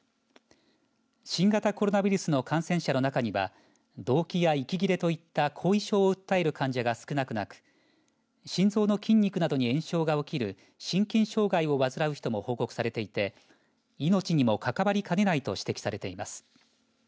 新型コロナウイルスの感染者の中にはどうきや息切れといった後遺症を訴える患者が少なくなく心臓の筋肉などに炎症が起きる心筋障害を患う人も報告されていて命にも関わりかねないと指摘されています。